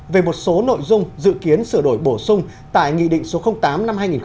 về một số nội dung dự kiến sửa đổi bổ sung tại nghị định số tám năm hai nghìn một mươi chín